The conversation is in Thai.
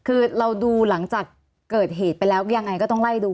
คือเราดูหลังจากเกิดเหตุไปแล้วยังไงก็ต้องไล่ดู